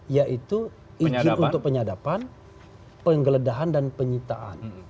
yaitu izin untuk penyadapan penggeledahan dan penyitaan